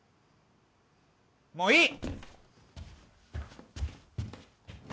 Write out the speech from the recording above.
もういい！